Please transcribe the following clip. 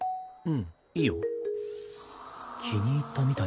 うんいいよ。